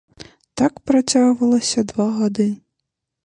Так працягвалася два гады.